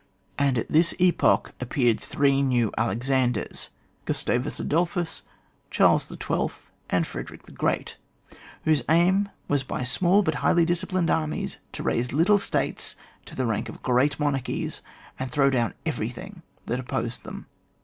And at this epoch appeared three new Alexanders — Oustavus Adolphus, Charles XII. y and Frederick the Great, whose aim was by small but highly disciplined armies, to raise little States to the rank of great monarchies, and to throw down everything that opposed them.